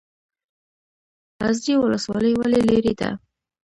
ازرې ولسوالۍ ولې لیرې ده؟